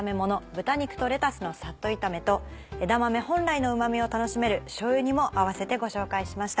「豚肉とレタスのさっと炒め」と枝豆本来のうまみを楽しめるしょうゆ煮も併せてご紹介しました。